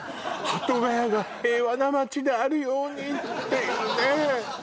鳩ヶ谷が平和な街であるようにっていうね